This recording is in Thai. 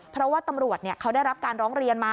เพราะว่าตำรวจเขาได้รับการร้องเรียนมา